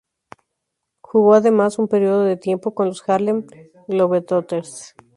Jugó además un periodo de tiempo con los Harlem Globetrotters.